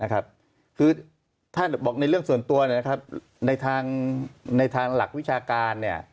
คือถ้าบอกในเรื่องส่วนตัวในทางหลักวิชาการ